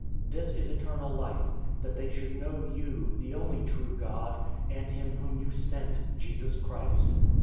017:003 This is eternal life, that they should know you, the only true God, and him whom you sent, Jesus Christ.